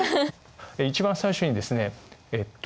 一番最初にですねえっと宛先。